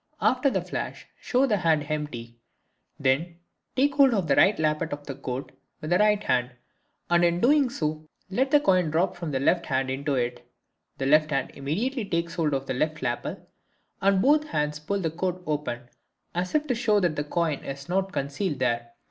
After the flash show the hand empty, then take hold of the right lappet of the coat with the right hand, and in doing so let the coin drop from the left hand into it. The left hand immediately takes hold of the left lapel, and both hands pull the coat open as if to show that the coin is not concealed there.